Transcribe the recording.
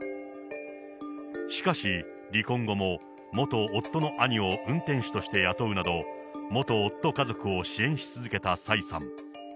しかし、離婚後も元夫の兄を運転手として雇うなど、元夫家族を支援し続けた蔡さん。